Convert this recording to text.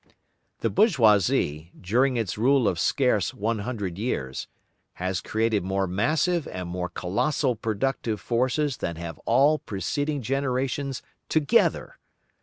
The bourgeoisie, during its rule of scarce one hundred years, has created more massive and more colossal productive forces than have all preceding generations together.